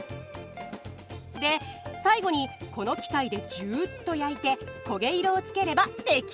で最後にこの機械でジューっと焼いて焦げ色をつければ出来上がり！